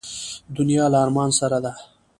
دنیا له ارمان سره ده.